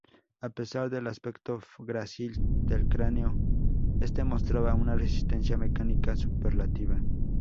A pesar del aspecto grácil del cráneo, este mostraba una resistencia mecánica superlativa.